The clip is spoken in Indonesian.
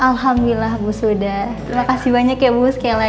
terima kasih banyak ya bu